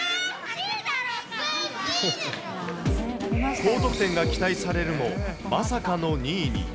高得点が期待されるも、まさかの２位に。